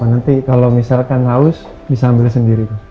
nanti kalau misalkan haus bisa ambil sendiri